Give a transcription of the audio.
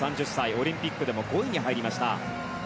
オリンピックでも５位に入りました。